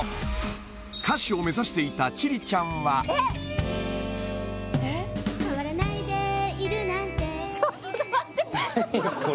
歌手を目指していた千里ちゃんは何これ？